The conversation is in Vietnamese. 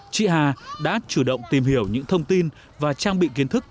chị hà đã chủ động tìm hiểu những thông tin và trang bị kiến thức